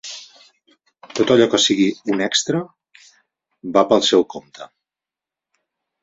Tot allò que sigui un extra, va pel seu compte.